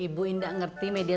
ibu ga ngerti social media pak